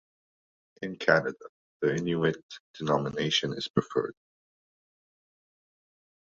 In Canada, the “Inuit” denomination is preferred.